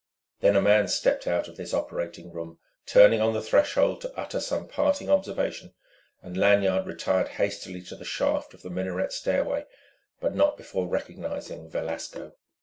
Then a man stepped out of this operating room, turning on the threshold to utter some parting observation; and Lanyard retired hastily to the shaft of the minaret stairway, but not before recognising Velasco.